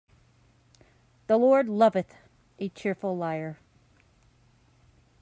The Lord loveth a cheerful liar.